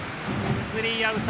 スリーアウト。